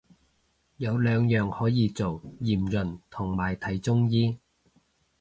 有兩樣可以做，驗孕同埋睇中醫